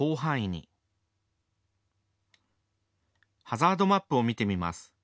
ハザードマップを見てみます。